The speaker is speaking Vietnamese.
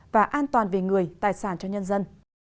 và an toàn về người tài sản cho nhân dân